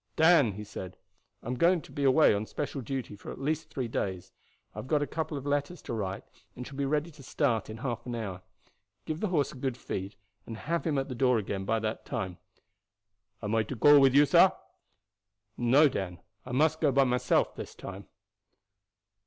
"Dan," he said, "I am going away on special duty for at least three days. I have got a couple of letters to write, and shall be ready to start in half an hour. Give the horse a good feed and have him at the door again by that time." "Am I to go with you, sah?" "No, Dan; I must go by myself this time."